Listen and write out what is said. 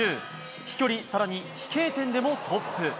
飛距離、更に飛型点でもトップ。